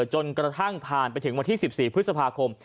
จนกระทั่งผ่านไปถึงวันที่๑๔พฤษภาคม